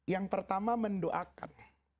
yang pertama mendoakan